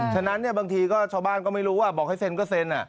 ฉะนั้นบางทีก็ชาวบ้านก็ไม่รู้บอกให้เซ็นก็เซ็น